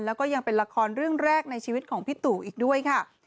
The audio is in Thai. แล้วก็ยังเป็นละครเรื่องแรกในชีวิตของพี่ตู่อีกด้วยค่ะ